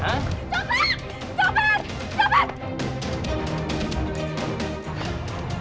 jangan jangan jangan